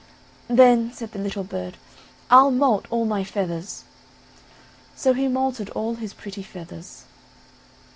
"Then," said the little bird, "I'll moult all my feathers," so he moulted all his pretty feathers.